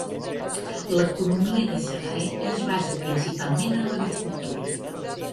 L'economia de Sagae es basa principalment en l'agricultura.